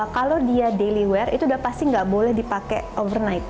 kalau dia daily wear itu udah pasti nggak boleh dipakai overnight